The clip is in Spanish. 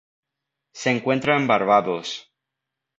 Se encuentra en Barbados.